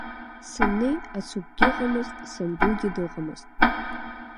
Саннеи, ацыгәгьы ыҟамызт, сандугьы дыҟамызт.